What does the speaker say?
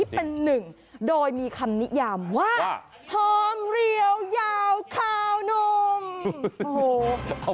เป็นหนึ่งโดยมีคันนิยามว่า